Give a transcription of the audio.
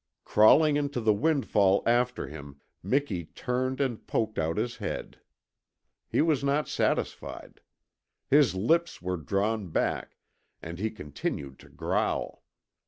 Crawling into the windfall after him Miki turned and poked out his head. He was not satisfied. His lips were still drawn back, and he continued to growl.